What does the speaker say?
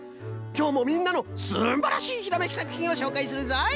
きょうもみんなのすんばらしいひらめきさくひんをしょうかいするぞい。